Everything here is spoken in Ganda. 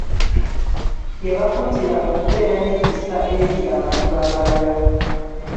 Yabakuutira okubeera n'ekisa eri abantu abalala.